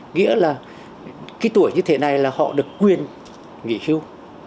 nghĩa là cái tuổi như thế này là họ được quyền nghỉ hưu